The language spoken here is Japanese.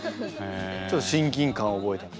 ちょっと親近感を覚えたと。